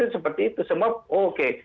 seperti itu semua oke